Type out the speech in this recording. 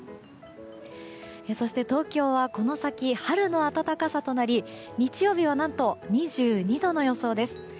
そして、東京はこの先、春の暖かさとなり日曜日は何と２２度の予想です。